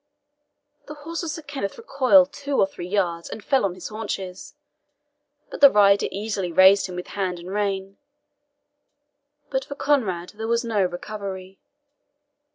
The horse of Sir Kenneth recoiled two or three yards and fell on his haunches; but the rider easily raised him with hand and rein. But for Conrade there was no recovery.